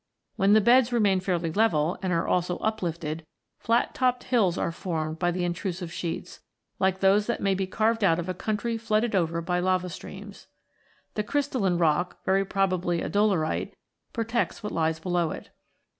When the beds remain fairly level, and are also uplifted, flat topped hills are formed by the intrusive sheets, like those that may be carved out of a country flooded over by lava streams. The crystalline rock, very probably a dolerite, protects what lies below it.